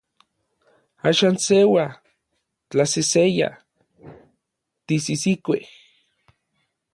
Axan seua, tlaseseya, tisisikuej.